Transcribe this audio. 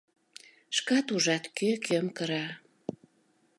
Шкат ужат: кӧ кӧм кыра.